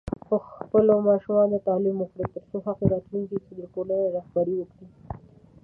په خپلو ماشومانو تعليم وکړئ، ترڅو هغوی راتلونکي کې د ټولنې رهبري وکړي.